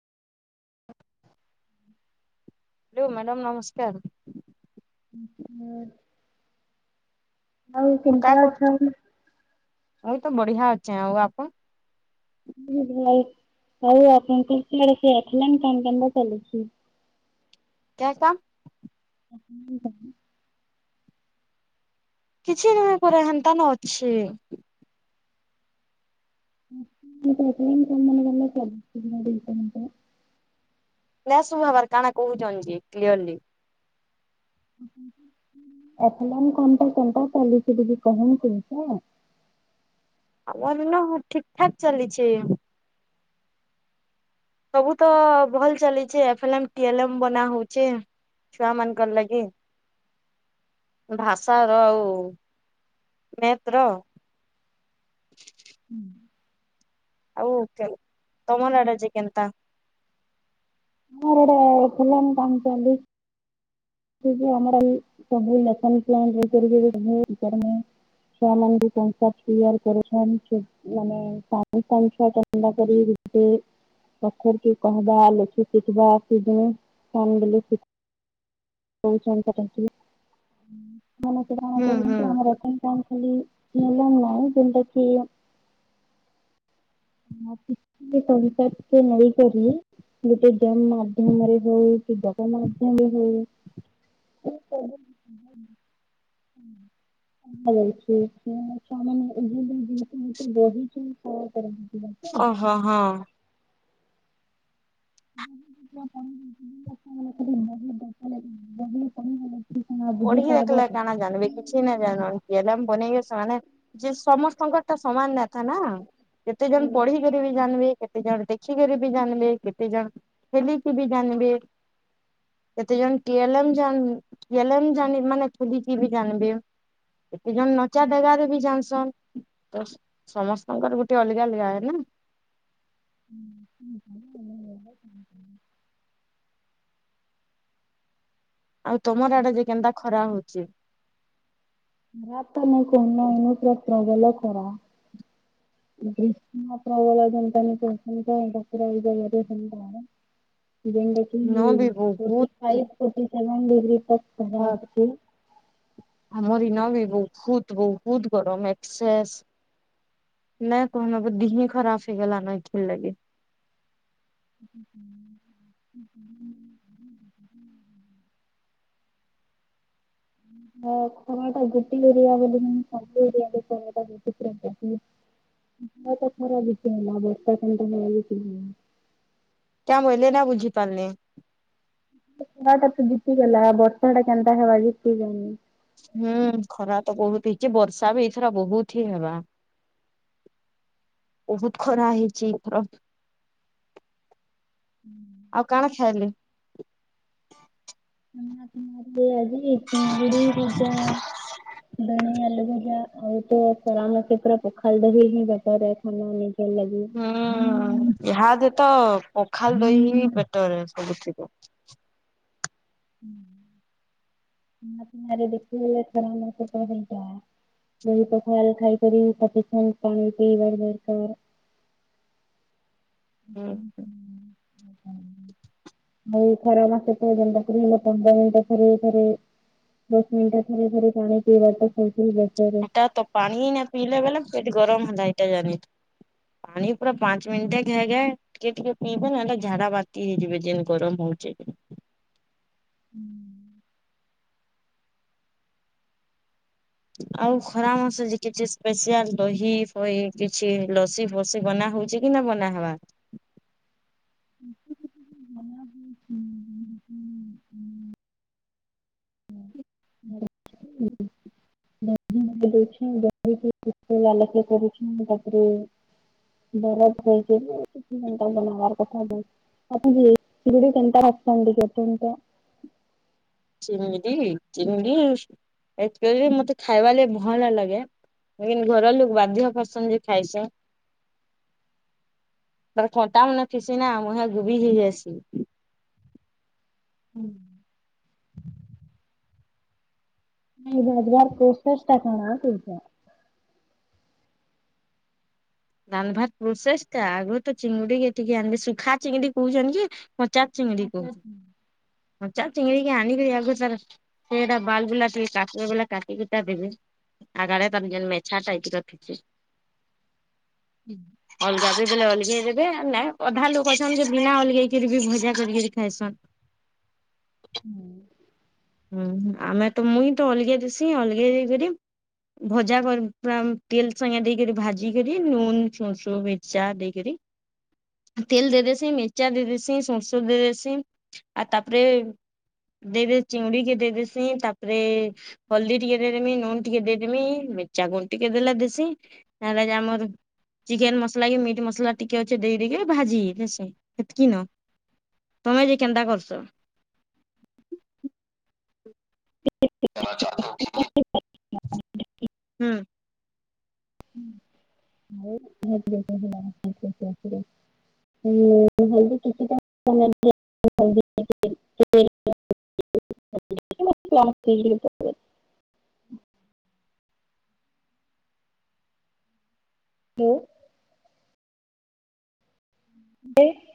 ହୁଁ hello madam ନମସ୍କାର ହୁଁ ହୁଁ ଆଉ କେନ୍ତା କାଁ କରୁ ଅଛନ୍ତି। ଆଉ ତ ବଢିଆ ଅଛେ ଆଉ ଆପଣ। ନୁ ଭଲ ଆଉ ଆପଣଙ୍କ ଆଡେ ସେଲା କାମ କନ୍ଦ ଚାଲିଛି କ୍ୟା କାମ୍। [unintelligible] କିଛି ନୁହେଁ ପରା ହେନ୍ତାନ ଅଛି। [unintelligible] ନା ସବୁ ହେବାର କାଣା କହୁଛନ୍ତି ଯେ କ୍ଲିୟରଲି। ଏଥଲ କଣ ତ କେନ୍ତା ଚାଲିଛି ଦଦି କହୁନଛନ୍ତି ସେ ଆମର ନା ଠିକ୍ ଠାକ୍ ଚାଲିଛି। ସବୁ ତ ଭଲ ଚାଲିଚେ ଏଫେଲେମ୍ ଫେଲ୍ମବନା ହଉଛେ ଛୁଆ ମାନଙ୍କର ଲାଗି ଭାଷା ର ଆଉ ମେଥ ର। ଆଉ କେ ତମରଆଡେ ଯେ କେନ୍ତା। ଆମର ଆଡେ ପିଲମ ବନଚନ୍ତି। ଆମର ସବୁ ଲେସନ୍ ପ୍ଲାନ୍ ଇଏ କରିବେ ରିଟାଡ ମେଣ୍ଟ। ଛୁଆମାନଙ୍କୁତି କର ମାନେଣ୍ଡା କରିେ ପର କହ ଲ ଶିଖ କହୁଛନ୍ତି ଟାଙ୍କିବେ। ମାନେ ସେ କଣ ହୁଁ କର ହୁଁ ଆମର ଲେସନପ୍ଲାନ୍ ଖାଲି ହେଲାଣି ନାଇଁ। ତିନ୍ ଟା ସି। [unintelligible] ଖାଲି ତୋଡି ପେପକି ନଈ। [inaudible] [unintelligible] ମାଧ୍ୟମରେ ହଉ କି ଡଗ ମାଧ୍ୟମରେ ହଉ। [unintelligible] ସମାନେ ଜିନିଷ ବହିିଛି। ଓହୋ ହଁ। [unintelligible] ପଢିକି ବୁଝିପାରିବା ଦେଖିଲେ ଖରାପ କାଣା ଜାନିବି କିଛି ନାଇଁ ଜାନିବି ହେଲେମ ବନେଇ ସ। ଯେ ସମସ୍ତଙ୍କର ଟା ସମାନ ନା। ନା କେତେ ଜଣ ପଢି କରିବି ଜାନ୍। କେତେ ଜଣ ଦେଖିକରି ବି ଜାନିବେ କେତେ ଜଣ ଖେଲିକି ବି ଜାନିବେ କେତେ ଜନ ଟିଏଲେମ୍ ଜା। ଏଲେମ୍ ଜାନି ମାନେ ଖେଲିକି ବି ଜାନିବେ। ଏଇ ଜଣ ନଚା ଜାଗାରେ ବି ଜାସନ୍ ତ ସମସ୍ତଙ୍କର ଗୋଟେ ଅଲଗା ଅଲଗା ନା। ହୁଁ। ଆଉ ତମର ଆଡେ ଯେ କେନ୍ତା ଖରା ହଉଛି। ରାତା ନା କନନ ପ୍ରପଗଲା କରରା ବତାାନଇ ସେତା ଙ୍ଗ କିି ଫର୍ଟି ଫାଇ ଇନ ଫଟି ବି ବହୁତ ସେଭ ଡିଗ୍ରୀି ପ। ଆମରି ନ ବି ବହୁତ। ବହୁତ ଗରମ ଏକ୍ସେସ ନା କହନ ଦିହେଁ ଖରାପ ହେଇଗଲା ନା ଖରା ଲାଗି। [unintelligible] ଖରା ଟା ଗୋଟେ ଏରିଆ ବୋଲି ସବୁ ଏରିଆା ଖରାଟା ହେଲା [inaudible] [inaudible] ବୁଝି ପାରୁନି ଖରା ଟା ବିତିଗଲା ବର୍ଷା ଟା କେନ୍ତା ହେବା ଜିତିଗନି ହୁଁ ଖରା ତ ବହୁତ ହି ଯେ ବର୍ଷା ବି ଏଇଥର ବହୁତ ହି ହେବା ବହୁତ ଖରା ହେଇଛି ଏଇଥର।। ଆଉ କାଣ ଖାଇଲେ? [inaudible] ଆଜି ଚିଙ୍ଗୁଡି ଭେଣ୍ଡି ଆଲୁ ଭଜା। [unintelligible] ହୁଁ [inaudible] ପଖାଲ ଦହି ପେଟରେ [inaudible] ହୁଁ ହୁଁ ହୁଁ।। ଆଉ ଖରା ମାସ ତ ଯେନ୍ତା ହେଲା ପନ୍ଦର ମିନିଟ ଥରେ ଥରେ ଦଶ ମିନିଟ ଥରେ ଥରେ ପାଣି ପିଇବ ତ ଶଥିଲ ବ ଏଟା ତ ପାଣି ନା ପିଇଲେ ବେଲେ ଗରମ ହେଲା ଏଇଟା ଜା ପାଣି ପୁରା ପାଞ୍ଚ ମିନିଟେ ଟିକେ ଟିକେ ପିଇବେ ନା ଏଇଟ ଝାଡା ବାତି ହେଇଯିବେ ଦିନ ଗରମ ହଉଛି।। ଆଉ ଖରା ମାସଛି କିଛି ସ୍ପସିଆଲ ଦହି ଫହି କିଛି ଲସି ଫସି ବନା ହଉଛି କି ନା ବନାହବା। ତାପରେ ବର ହେ ନବାର କଥା ଆପଣ କେନ୍ତା ଆସୁଛନ୍ତି କେତ ଚିଙ୍ଗଡି ଚିଙ୍ଗଡିଚ ମତେ ଖାଇବା ଲ ଭଲ ଲାଗେ ଘର ଲୋକ ବାଧ୍ୟ କରସନ୍ଦ ଯେ ଖାଇସ ତ କଟା ମୁ ନଖିସିନା ମୁ ଗୋବି ହେଇଯାଇସି ହୁଁ। ବାବାର କସଷ୍ଟ ଟା ଖଣ ତୁଇ ଦାନଭାତ ପ୍ରୋସେସ ଟ ଆଗରୁ ତ ଚିଙ୍ଗୁଡିିକ ଟିକେ ଆଣିବେ ସୁୁଖା ଚିଙ୍ଗୁଡି କହୁଛନ୍ତି କି ପଚା ଚିଙ୍ଗୁଡି କହୁ ପଚା ଚିଙ୍ଗୁଡିିକ ଆଣିକିରି ଆଗ ତାର ସେଟା ବାଲ ଟିକେ କା ବ କାଟିକିଟା ଦେବେ ଆଗଡ ତାର ମୋ ଟାଖଛି ଅଲଗା ବି ବଲେ ଅଲଗେଇ ଦେବେ ନ ଅଧା ଲୋକ ଅଛନ୍ତି ଯେ ବିନା ଅଲଗେଇକିରି ବି ଭଜା କରିକିରି ଖାଇସନ୍ ହୁଁ ଆମେ ତ ମୁଇ ହିଁ ତ ଅଲଗା ଦେସି ଅଲଗା ଦେଇକରି ଭଜା କରି ପୁର ତେଲ ସାଙ୍ଗେ ଦେଇକ ଭାଜି କରି ଲୁନ ସୋର୍ସୁ ମିର୍ଚା ଦେଇକରି ତେଲ ଦେଇଦ ସେ ମିର୍ଚା ଦେଇଦେସି ସୋସ ଦେଇଦସି ଆଉ ତାପରେ ଦେଇଦ ଚିଙ୍ଗୁଡିିକେ ଦେଇଦସି ତାପରେ ହଳଦୀ ଟିକେ ଦେଇଦମି ନୁନ ଟିକେ ଦେଇଦମି ମିର୍ଚାାଗୁଣ୍ଡ ଟିକେ ଦେଲେ ଦେସି ତାହେଲେ ଯେ ଆମର ଚିକେନ ମସଲା କି ମିଟ୍ ମସଲା ଟିକେ ଅଛିେ ଦେଇ ଦେଇକି ଭାଜି ଦେସି ସେତିକ ନ ତମେ ଯେ କେନ୍ତା କରସ କନା ଚାନ୍ତ କିଁ ହୁଁ।। [inaudible] ହୁଁ ସେ